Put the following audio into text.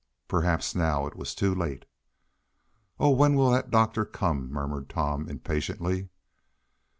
Perhaps now it was too late. "Oh! when will that doctor come?" murmured Tom impatiently.